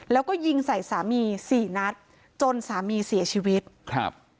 แล้วก็ยิงใส่สามีสี่นัดจนสามีเสียชีวิตครับ